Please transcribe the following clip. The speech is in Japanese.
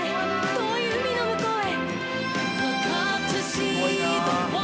遠い海の向こうへ。